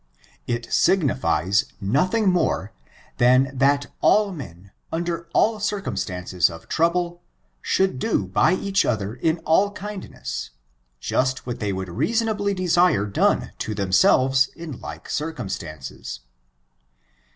It signified nothing more than that all men, under oil circumstances of trouble, should do by each other in all kindness, just what they would reasonably desire done to themselves in like circumstances.